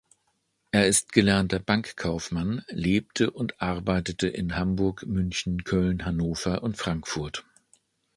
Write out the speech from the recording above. Er ist gelernter Bankkaufmann, lebte und arbeitete in Hamburg, München, Köln, Hannover und Frankfurt.